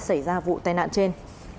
xảy ra vụ tai nạn trên